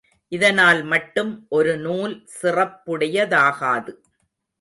இதனால் மட்டும் ஒரு நூல் சிறப்புடையதாகாது.